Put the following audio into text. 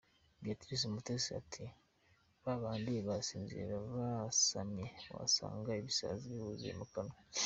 Béatrice Umutesi ati “ba bandi basinzira basamye, wasanga ibisazi bibuzuye mu kanwa.